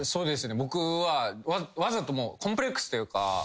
僕はわざとコンプレックスというか。